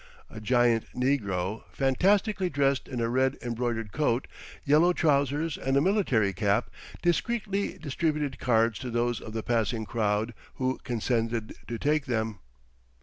A giant negro, fantastically dressed in a red embroidered coat, yellow trousers and a military cap, discreetly distributed cards to those of the passing crowd who consented to take them.